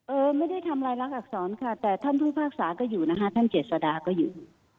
เออไม่ได้ทำรายลักษณ์อักษรค่ะแต่ท่านผู้ภาคศาสตร์ก็อยู่นะคะท่านเจสดาก็อยู่